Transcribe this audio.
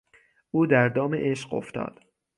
او در دام عشق افتاد.